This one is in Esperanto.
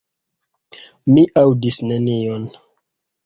Mi aŭdis nenion.